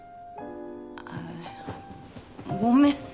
あごめん。